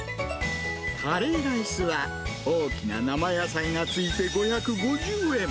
カレーライスは大きな生野菜が付いて５５０円。